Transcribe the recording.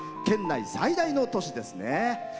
県内最大の都市ですね。